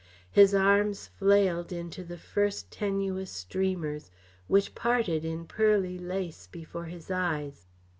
His arms flailed into the first tenuous streamers, which parted in pearly lace before his eyes.